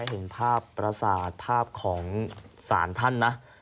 เห็นภาพประสาทภาพของศาลท่านนะ